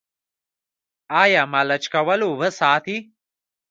آیا ملچ کول اوبه ساتي؟